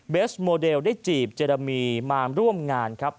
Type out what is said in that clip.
สโมเดลได้จีบเจรมีมาร่วมงานครับ